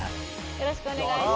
よろしくお願いします